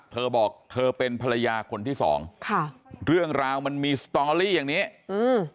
เธอบอกเธอเป็นภรรยาคนที่สองค่ะเรื่องราวมันมีสตอรี่อย่างนี้อืม